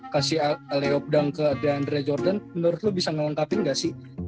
kasih ali obdang ke deandre jordan menurut lu bisa ngelengkapin ga sih